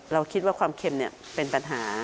เราคิดว่าความเค็มเป็นปัญหา